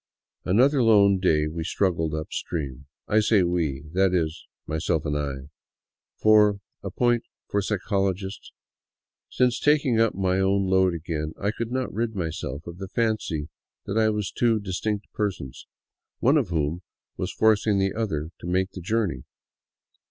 Another lone day we struggled up stream. I say we, — that is, my self and I ; for — a point for psychologists — since taking up my own load again I could not rid myself of the fancy that I was two dis tinct persons, one of whom was forcing the other to make the journey.